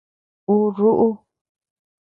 Ú rúʼu.